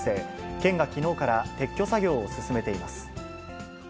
県がきのうから撤去作業を進めています。